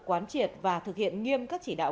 quán triệt và thực hiện nghiêm các chỉ đạo